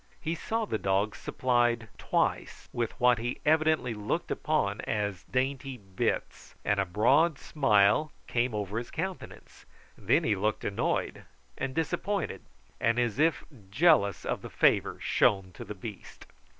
He saw the dog supplied twice with what he evidently looked upon as dainty bits, and a broad smile came over his countenance. Then he looked annoyed and disappointed, and as if jealous of the favour shown to the beast.